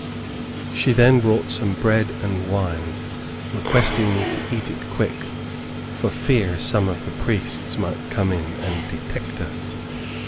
She then brought some bread and wine, requesting me to eat it quick, for fear some of the priests might come in and detect us.